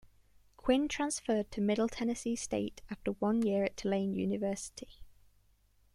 Quinn transferred to Middle Tennessee State after one year at Tulane University.